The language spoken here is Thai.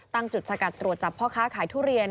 ตั้งจุดสกัดตรวจจับพ่อค้าขายทุเรียน